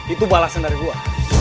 itu balasan dari gua